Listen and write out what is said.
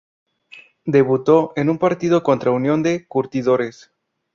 Debutó en un partido contra Unión de Curtidores.